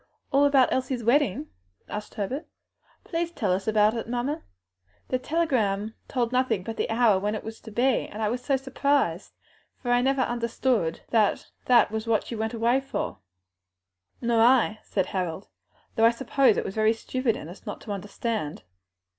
all about Elsie's wedding?" asked Herbert. "Please let us hear it, mamma. The telegram told nothing but the hour when it was to be, and I was so surprised, for I never understood that that was what she went away for." "Nor I," said Harold; "though I suppose it was very stupid in us not to understand."